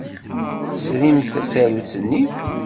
Tesrimt tasarut-nni?